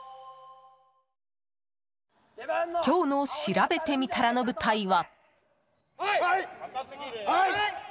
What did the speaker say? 今日のしらべてみたらの舞台は。